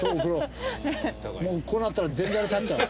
もうこうなったら全裸で立っちゃおう。